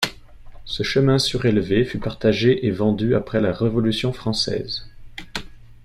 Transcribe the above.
Ce chemin surélevé fut partagé et vendu après la Révolution française.